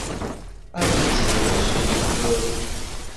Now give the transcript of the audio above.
半年前我吃一顆